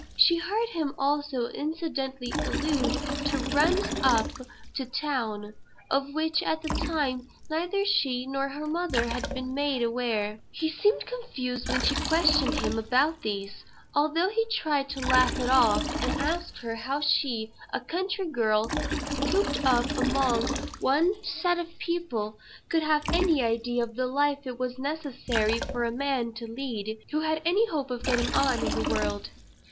She heard him also incidentally allude to "runs up to town," of which, at the time, neither she nor her mother had been made aware. He seemed confused when she questioned him about these, although he tried to laugh it off; and asked her how she, a country girl, cooped up among one set of people, could have any idea of the life it was necessary for a man to lead who "had any hope of getting on in the world."